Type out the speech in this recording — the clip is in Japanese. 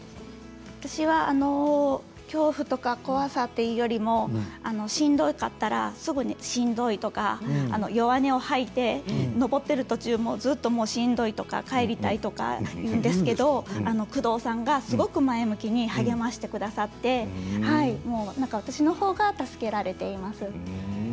私は恐怖や怖さというものよりしんどかったら、すぐにしんどいとか弱音を吐いて登っている途中もずっとしんどいとか帰りたいとか言うんですけれど工藤さんがすごく前向きに励ましてくださって私のほうが助けられています。